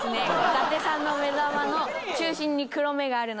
伊達さんの目玉の中心に黒目があるので。